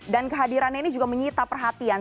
dan kehadirannya ini juga menyita perhatian